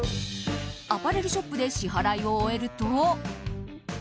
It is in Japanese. アパレルショップで支払いを終えると。